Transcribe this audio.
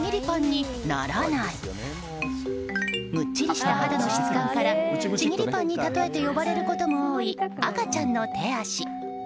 むっちりした肌の質感からちぎりパンに例えて呼ばれることも多い赤ちゃんの手足。